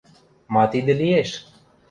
Ма тидӹ лиэш?